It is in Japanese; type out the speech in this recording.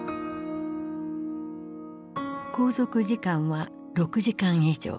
航続時間は６時間以上。